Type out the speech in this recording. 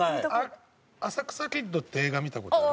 『浅草キッド』って映画見た事ある？